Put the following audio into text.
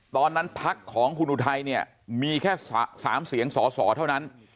ตอนนั้นพักของคุณอุทัยเนี่ยมีแค่๓เสียงสอสอเท่านั้น